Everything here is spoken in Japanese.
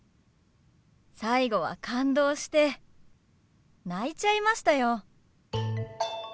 最後は感動して泣いちゃいましたよ。